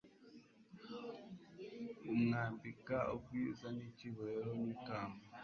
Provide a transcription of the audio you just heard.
umwambika ubwiza n'icyubahiro nk'ikamba